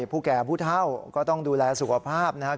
ผู้แก่ผู้เท่าก็ต้องดูแลสุขภาพนะครับ